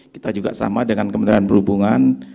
kita juga sama dengan kementerian perhubungan